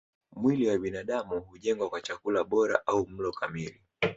Mwili wa binadamu hujengwa kwa chakula bora au mlo kamili